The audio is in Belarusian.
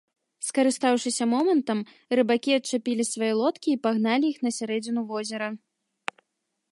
Скарыстаўшыся момантам, рыбакі адчапілі свае лодкі і пагналі іх на сярэдзіну возера.